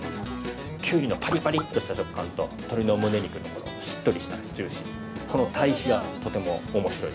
◆きゅうりのパリパリッとした食感と鶏のむね肉のしっとりしたジューシー、この対比が、とてもおもしろい。